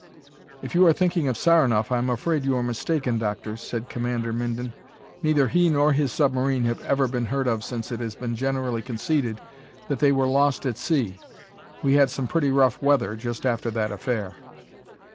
"If you are thinking of Saranoff, I am afraid you are mistaken, Doctor," said Commander Minden. "Neither he nor his submarine have ever been heard of since and it has been generally conceded that they were lost at sea. We had some pretty rough weather just after that affair."